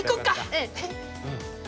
うん！